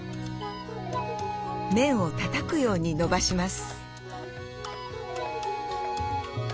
麺をたたくようにのばします。